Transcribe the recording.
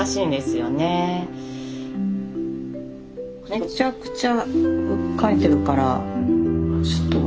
めちゃくちゃ書いてるからちょっと。